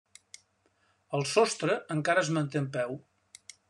El sostre encara es manté en peu.